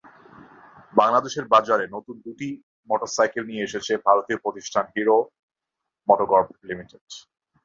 বাংলাদেশের বাজারে নতুন দুটি মোটরসাইকেল নিয়ে এসেছে ভারতীয় প্রতিষ্ঠান হিরো মটোকরপ লিমিটেড।